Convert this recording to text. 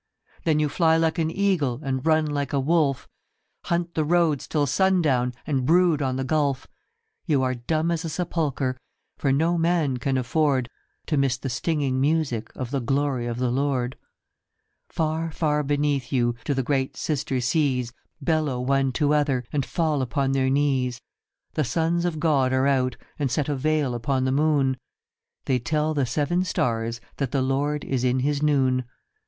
Then you fly like an eagle, and run like a wolf, Hunt the roads till sundown, and brood on the gulf, You are dumb as a sepulchre, for no man can afford To miss the stinging music of the glory of the Lord. Far, far beneath you do the great sister seas Bellow one to other, and fall upon their knees, The sons of God are out, and set a veil upon the moon : They tell the seven stars that the Lord is in his noon.